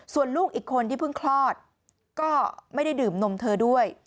ส่วนลูกอีกคนที่เพิ่งคลอดก็ไม่ได้ดื่มนมเธอด้วย